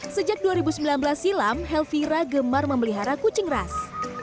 sejak dua ribu sembilan belas silam helvira gemar memelihara kucing ras